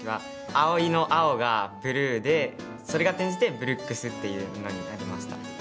碧生の「碧」が「ブルー」でそれが転じて「ブルックス」っていうのになりました。